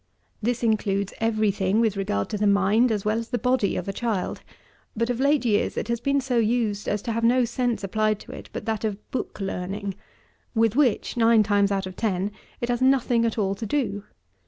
This includes every thing with regard to the mind as well as the body of a child; but, of late years, it has been so used as to have no sense applied to it but that of book learning, with which, nine times out of ten, it has nothing at all to do.